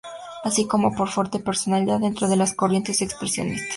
Así como por su fuerte personalidad dentro de las corrientes expresionistas.